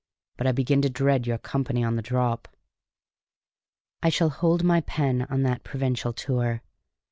"But I begin to dread your company on the drop!" I shall hold my pen on that provincial tour.